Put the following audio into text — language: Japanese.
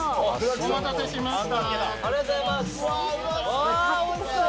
お待たせしました。